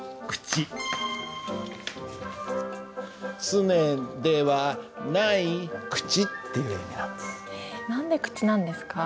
「常ではない口」っていう意味なんです。